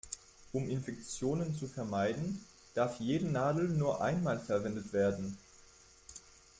Um Infektionen zu vermeiden, darf jede Nadel nur einmal verwendet werden.